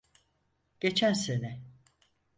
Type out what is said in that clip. Geçen sene.